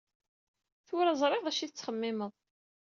Tura ẓriɣ acu i tettxemmimeḍ.